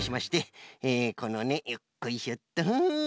えこのねよっこいしょっとフフ。